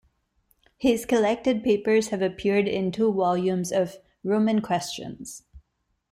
His collected papers have appeared in two volumes of "Roman questions".